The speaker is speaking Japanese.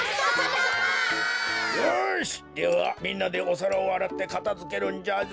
よしではみんなでおさらをあらってかたづけるんじゃぞ。